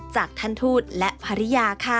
จากท่านทูตและภรรยาค่ะ